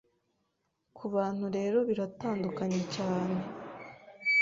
Kubantu rero biratandukanye cyane